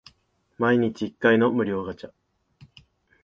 毎日一回の無料ガチャ